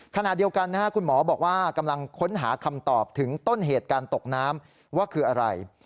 ขณะเดียวกันคุณหมอบอกว่ากำลังค้นหาคำตอบถึงต้นเหตุการตกน้ำว่าคืออะไร